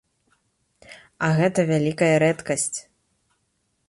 А гэта вялікая рэдкасць.